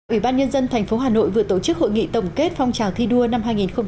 ủy ban nhân dân tp hà nội vừa tổ chức hội nghị tổng kết phong trào thi đua năm hai nghìn một mươi chín